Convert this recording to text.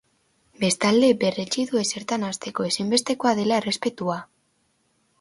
Bestalde, berretsi du ezertan hasteko, ezinbestekoa dela errespetua.